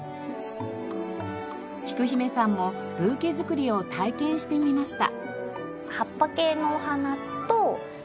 きく姫さんもブーケ作りを体験してみました。